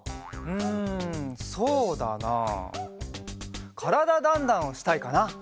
うんそうだなあ「からだ☆ダンダン」をしたいかな。